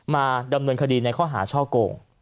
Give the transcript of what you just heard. มาดำเนินคดีในข้อหาช่อโกง